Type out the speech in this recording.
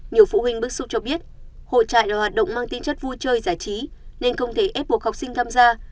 nhiều phụ huynh bức xúc cho biết hội trại là hoạt động mang tính chất vui chơi giải trí nên không thể ép buộc học sinh tham gia